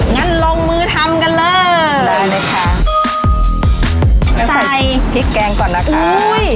งั้นลงมือทำกันเลยได้เลยค่ะงั้นใส่พริกแกงก่อนนะคะอุ้ย